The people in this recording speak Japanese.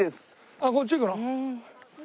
あっこっち行くの？